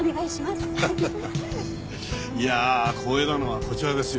いやあ光栄なのはこちらですよ。